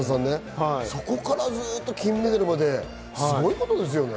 そこからずっと金メダルまですごいことですよね。